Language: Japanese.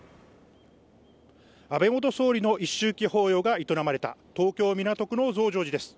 安倍元総理の一周忌法要が営まれた東京・港区の増上寺です。